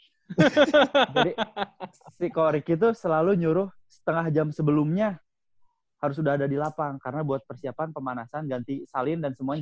jadi si ko riki tuh selalu nyuruh setengah jam sebelumnya harus udah ada di lapang karena buat persiapan pemanasan ganti salin dan semuanya